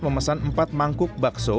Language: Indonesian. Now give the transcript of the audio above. memesan empat mangkuk bakso